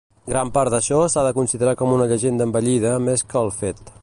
Gran part d'això s'ha de considerar com a una llegenda embellida més que el fet.